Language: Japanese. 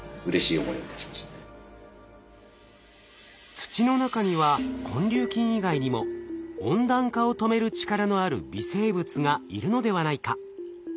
土の中には根粒菌以外にも温暖化を止める力のある微生物がいるのではないか。